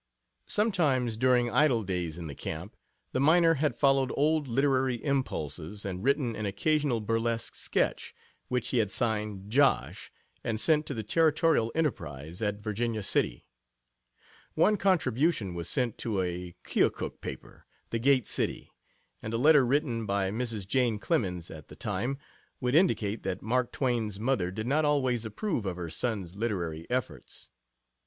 Sometimes, during idle days in the camp, the miner had followed old literary impulses and written an occasional burlesque sketch, which he had signed "Josh," and sent to the Territorial Enterprise, at Virginia City. [One contribution was sent to a Keokuk paper, The Gate City, and a letter written by Mrs. Jane Clemens at the time would indicate that Mark Twain's mother did not always approve of her son's literary efforts.